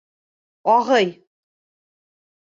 Ағый!